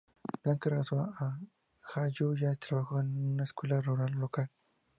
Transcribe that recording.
Blanca regresó a Jayuya y trabajó en una escuela rural local.